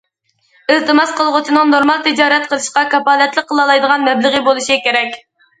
ئىلتىماس قىلغۇچىنىڭ نورمال تىجارەت قىلىشقا كاپالەتلىك قىلالايدىغان مەبلىغى بولۇشى كېرەك.